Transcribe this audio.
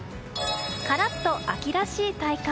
カラッと秋らしい体感。